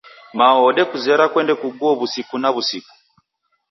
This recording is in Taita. Mao odekuzera kwende kughuo wusiku na wusiku